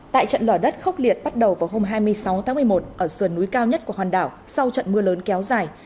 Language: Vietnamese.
tại trận lở đất khốc liệt bắt đầu vào hôm hai mươi sáu tháng một mươi một ở sườn núi cao nhất của hòn đảo sau trận mưa lớn kéo dài